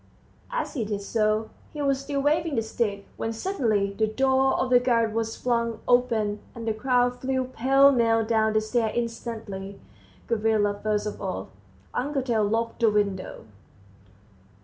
as he did so. He was still waving the stick, when suddenly the door of the garret was flung open; all the crowd flew pell mell down the stairs instantly, Gavrila first of all. Uncle Tail locked the window.